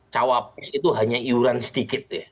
cawapres itu hanya iuran sedikit ya